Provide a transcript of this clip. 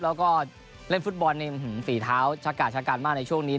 แล้วก็เล่นฟุตบอลฝีเท้าชะกาลมากในช่วงนี้